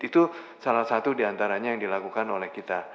itu salah satu diantaranya yang dilakukan oleh kita